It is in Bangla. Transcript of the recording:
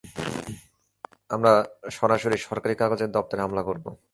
আমরা সরাসরি সরকারি কাগজের দপ্তরে হামলা করবো।